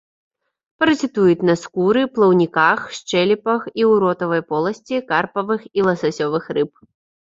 Паразітуюць на скуры, плаўніках, шчэлепах і ў ротавай поласці карпавых і ласасёвых рыб.